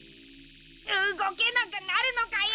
動けなくなるのかよ！